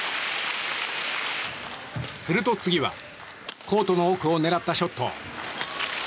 すると次はコートの奥を狙ったショット。